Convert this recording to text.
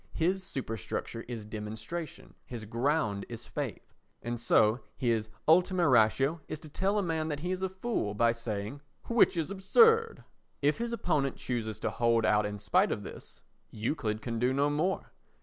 His superstructure is demonstration, his ground is faith. And so his ultima ratio is to tell a man that he is a fool by saying "Which is absurd." If his opponent chooses to hold out in spite of this, Euclid can do no more.